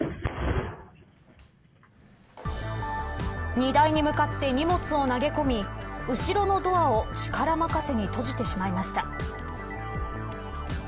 荷台に向かって荷物を投げ込み後ろのドアを力任せに閉じてしまいました。